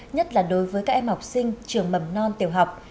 nhất là đối với các em học sinh trường mầm non tiểu học